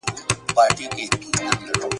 وروستۍ ورځ !.